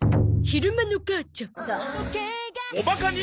昼間の母ちゃん。